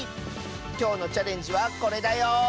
きょうのチャレンジはこれだよ！